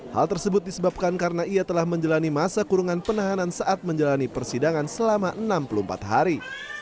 hal tersebut disebabkan karena ia telah menjalani masa kurungan penahanan saat menjalani persidangan selama enam puluh empat hari